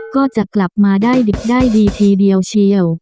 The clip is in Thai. ก็จะกลับมาได้ดิบได้ดีทีเดียวเชียว